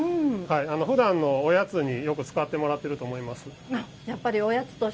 ふだんのおやつによく使ってもらってると思います。